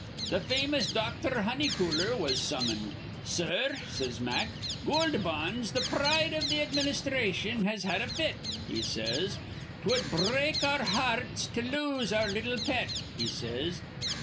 Th' famous Doctor Honeycooler was summoned. 'Sir,' says Mack, 'Goold Bonds, th' pride iv th' administhration, has had a fit,' he says. ''Twud br reak our hear rts to lose our little pet,' he says.